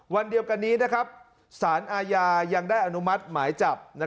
วันเดียวกันนี้สารอาญายังได้อนุมัติหมายจับ